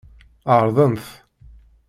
Ɛeṛḍent.